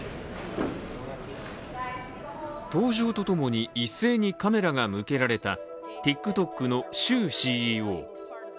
登場とともに、一斉にカメラが向けられたＴｉｋＴｏｋの周ＣＥＯ。